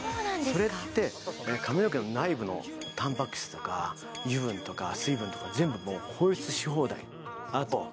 それって髪の毛の内部のたんぱく質とか油分とか水分とか全部放出し放題